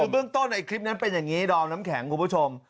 เบื้องต้นคลิปนั้นเป็นอย่างนี้ดอมน้ำแข็งคุณผู้ชม